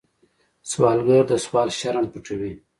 سوالګر د سوال شرم پټوي